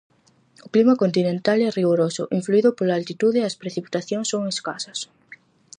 O clima é continental e rigoroso, influído pola altitude, e as precipitacións son escasas.